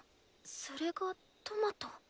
それがトマト？